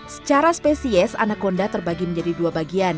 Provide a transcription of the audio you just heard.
secara spesies anaconda terbagi menjadi dua bagian